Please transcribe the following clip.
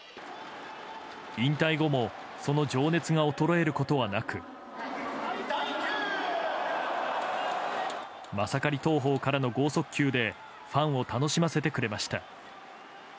引退後もその情熱が衰えることがなくマサカリ投法からの剛速球でファンを楽しませてくれました。